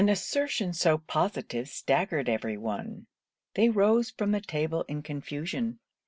An assertion so positive staggered every one. They rose from table in confusion.